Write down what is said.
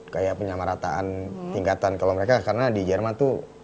kayak penyamarataan tingkatan kalau mereka karena di jerman tuh